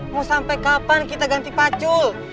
mau sampai kapan kita ganti pacul